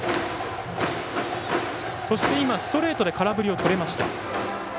そして、ストレートで空振りがとれました。